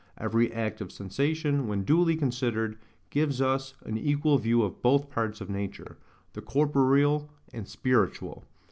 Every act of sensation, when duly considered, gives us an equal view of both parts of nature, the corporeal and spiritual.